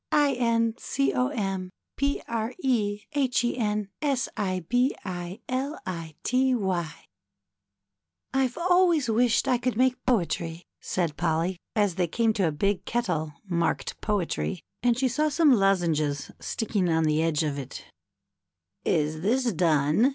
^^I've always wished I could make poetry/' said Polly as they came to a big kettle marked Poetry and she saw some lozenges sticking on the edge of it. ^^Is this done?"